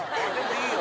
いいよ！